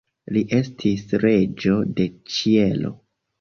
Li estis Reĝo de Ĉielo.